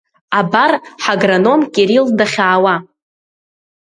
Абар ҳагроном Кирилл дахьаауа!